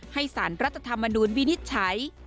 ให้สารรัฐธรรมนุนวินิจฉัย